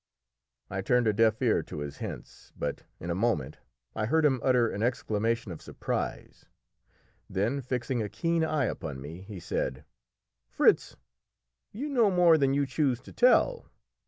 I turned a deaf ear to his hints, but in a moment I heard him utter an exclamation of surprise; then, fixing a keen eye upon me, he said "Fritz, you know more than you choose to tell."